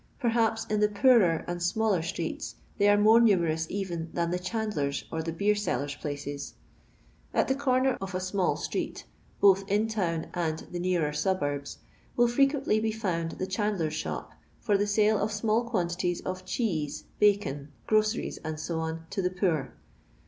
Pf haps in the poorer and smaller streets they ars more numerous even than the chandlers* or the beer iellers' places. At the comer of a ibbiU LONDON LABOUR AND THE LONDON POOR. aiUwi, both in town and the nearer fuhorba, will frequently be foond the chandler's shop, lor the ale of small quantitiet of cheese, bacon, groceries, Ac, to the poor.